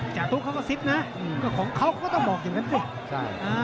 จาตุ๊กเขาก็ซิดนะก็ของเขาก็ต้องบอกอย่างนั้นสิ